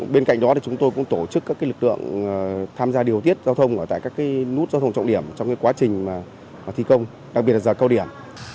bên cạnh đó chúng tôi cũng tổ chức các lực lượng tham gia điều tiết giao thông ở tại các nút giao thông trọng điểm trong quá trình thi công đặc biệt là giờ cao điểm